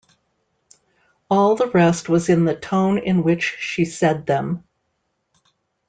All the rest was in the tone in which she said them.